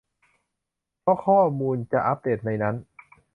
เพราะข้อมูลจะอัพเดทในนั้น